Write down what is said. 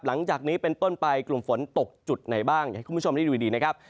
หลังจากนี้เป็นต้นไปกลุ่มฝนตกจุดไหนบ้างอยากให้คุณผู้ชมได้ดูดีนะครับ